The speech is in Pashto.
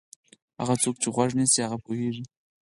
هغه څوک چې غوږ نیسي هغه پوهېږي.